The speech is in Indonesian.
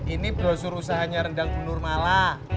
ini brosur usahanya rendang penuh malah